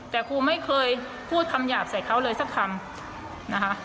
แต่ครูไม่เคยพูดคำหยาบใส่เขาเลยสักคำนะคะ